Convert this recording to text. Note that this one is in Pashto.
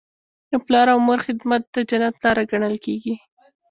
د پلار او مور خدمت د جنت لاره ګڼل کیږي.